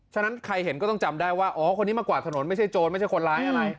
ฉะนั้นใครเห็นก็ต้องจำได้ว่าอ๋อคนนี้มากวาดถนนไม่ใช่โจรไม่ใช่คนร้ายอะไร